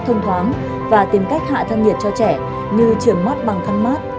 thông thoáng và tìm cách hạ thăng nhiệt cho trẻ như trường mát bằng khăn mát